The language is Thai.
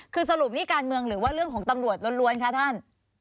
คือสรุปนี่การเมืองหรือว่าเรื่องของตำรวจล้วนคะท่าน